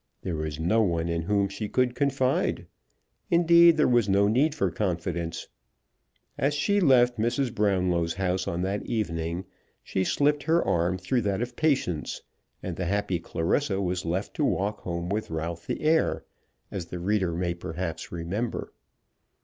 There was no one in whom she could confide. Indeed, there was no need for confidence. As she left Mrs. Brownlow's house on that evening she slipped her arm through that of Patience, and the happy Clarissa was left to walk home with Ralph the heir, as the reader may perhaps remember.